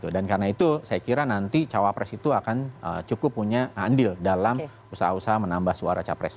karena itu saya kira nanti cawapres itu akan cukup punya andil dalam usaha usaha menambah suara capres